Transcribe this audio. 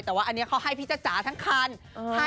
แต่ว่าอันนี้เขาให้พิจาระจารย์ทั้งครั้ง